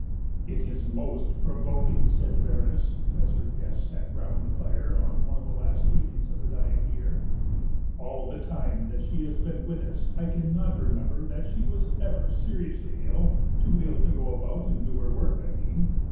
"It is most provoking," said the Baroness, as her guests sat round the fire on one of the last evenings of the dying year; "all the time that she has been with us I cannot remember that she was ever seriously ill, too ill to go about and do her work, I mean.